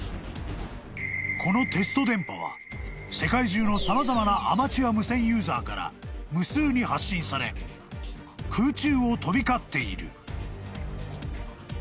［このテスト電波は世界中の様々なアマチュア無線ユーザーから無数に発信され空中を飛び交っている］